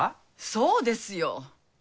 そうですよ。